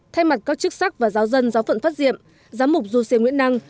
thay mặt các chức sắc và giáo dân giáo phận phát diệm giám mục du sê nguyễn năng